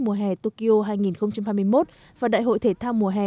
mùa hè tokyo hai nghìn hai mươi một và đại hội thể thao mùa hè